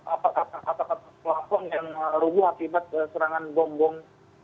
apa apa pelakon yang ruguh akibat serangan bombong